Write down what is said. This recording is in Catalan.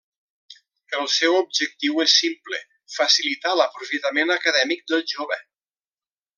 El seu objectiu és simple, facilitar l'aprofitament acadèmic del jove.